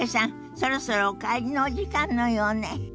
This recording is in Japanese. そろそろお帰りのお時間のようね。